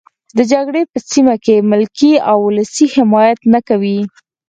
د جګړې په سیمه کې ملکي او ولسي حمایت نه کوي.